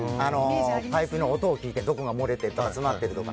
パイプの音を聞いてどこが詰まってるとか。